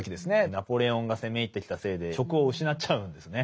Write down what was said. ナポレオンが攻め入ってきたせいで職を失っちゃうんですね。